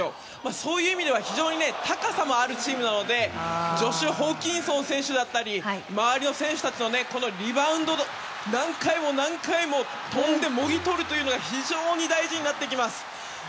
そういう意味では非常に高さもあるチームなのでジョシュ・ホーキンソン選手だったり周りの選手のたちのリバウンド、何回も何回も跳んでもぎ取るのが非常に大事になってきます。